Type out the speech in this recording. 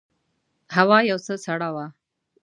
هوا یو څه سړه وه.